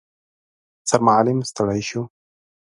سرمعلم ستړی شو.